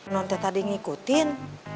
nanti tadi ngikutin